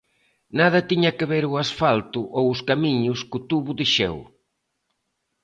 Nada tiña que ver o asfalto ou os camiños co tubo de xeo.